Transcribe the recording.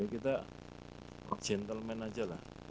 kita objeleman aja lah